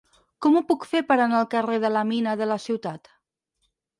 Com ho puc fer per anar al carrer de la Mina de la Ciutat?